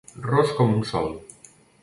Ros com un sol.